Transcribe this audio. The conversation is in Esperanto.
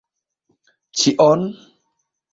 Ĉion?